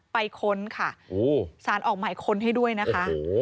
ค้นค่ะสารออกหมายค้นให้ด้วยนะคะ